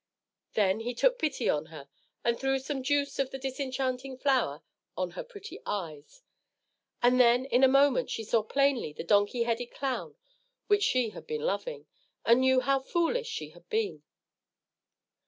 Then he took pity on her, and threw some juice of the disenchanting flower on her pretty eyes; and then in a moment she saw plainly the donkey headed clown she had been loving, and knew how foolish she had been.